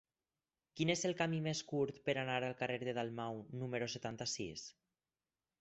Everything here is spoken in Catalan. Quin és el camí més curt per anar al carrer de Dalmau número setanta-sis?